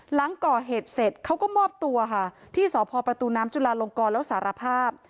หลังก่อเหตุเสร็จเขาก็มอบตัวค่ะที่สพประตูน้ำจุลาลงกรแล้วสารภาพ